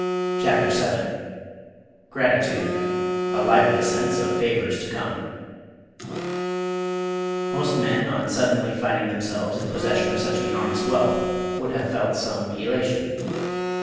CHAPTER VII "GRATITUDE A LIVELY SENSE OF FAVOURS TO COME" Most men on suddenly finding themselves in possession of such enormous wealth would have felt some elation.